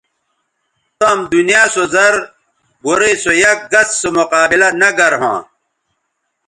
تام دنیا سو زر گورئ سو یک گس سو مقابلہ نہ گر ھواں